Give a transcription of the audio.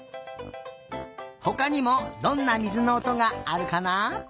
ほかにもどんなみずのおとがあるかな？